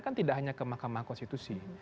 kan tidak hanya ke mahkamah konstitusi